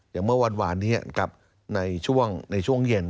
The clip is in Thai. อย่างเมื่อวานนี้กับในช่วงเย็น